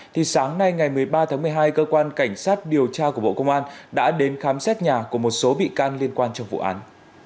thì sáng nay ngày một mươi ba tháng một mươi hai cơ quan cảnh sát điều tra của bộ công an đã đến khám xét nhà của một số bị can liên quan trong vụ án